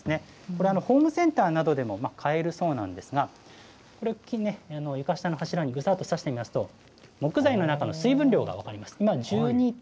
これ、ホームセンターなどでも買えるそうなんですが、床下の柱にぐさっとさしてみますと、木材の中の水分量が分かります。